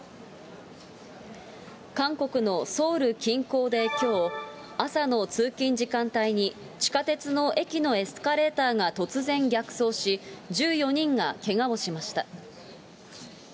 韓国のソウル近郊できょう、朝の通勤時間帯に、地下鉄の駅のエスカレーターが突然逆走し、１４人がけがをしました。